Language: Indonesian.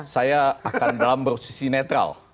saya akan dalam posisi netral